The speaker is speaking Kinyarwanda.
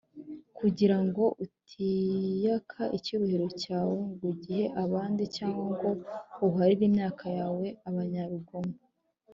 kugira ngo utiyaka icyubahiro cyane ngo ugihe abandi, cyangwa ngo uharire imyaka yawe abanyarugomo